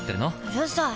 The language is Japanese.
うるさい！